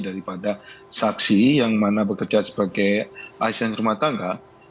daripada saksi yang mana bekerja sebagai asisten rumah tangga